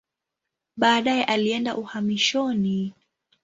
Baadaye alienda uhamishoni.